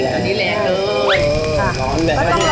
ตอนนี้แรงเลย